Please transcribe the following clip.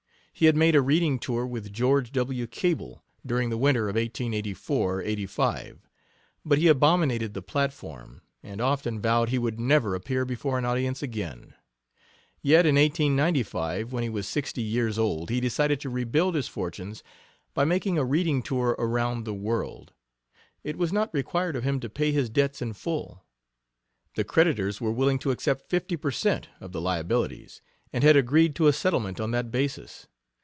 He had made a reading tour with George W. Cable during the winter of 1884 85, but he abominated the platform, and often vowed he would never appear before an audience again. Yet, in 1895, when he was sixty years old, he decided to rebuild his fortunes by making a reading tour around the world. It was not required of him to pay his debts in full. The creditors were willing to accept fifty per cent. of the liabilities, and had agreed to a settlement on that basis.